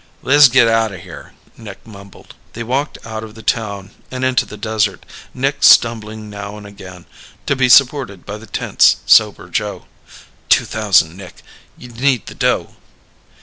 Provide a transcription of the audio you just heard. "Le's get out o' here," Nick mumbled. They walked out of the town and into the desert, Nick stumbling now and again, to be supported by the tense, sober Joe. "Two thousand, Nick. You need the dough."